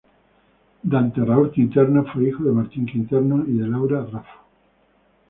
Dante Raúl Quinterno, fue hijo de Martín Quinterno y de Laura Raffo.